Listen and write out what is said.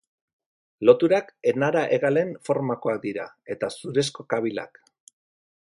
Loturak enara-hegalen formakoak dira, eta zurezko kabilak.